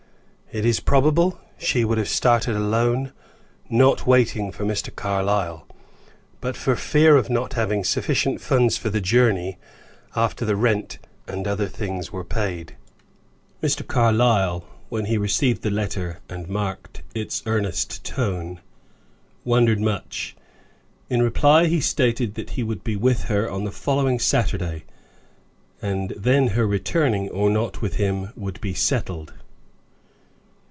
It is probable she would have started alone, not waiting for Mr. Carlyle, but for fear of not having sufficient funds for the journey, after the rent and other things were paid. Mr. Carlyle, when he received the letter and marked its earnest tone, wondered much. In reply, he stated that he would be with her on the following Saturday, and then her returning, or not, with him could be settled.